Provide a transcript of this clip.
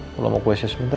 kalau mau kuesnya sebentar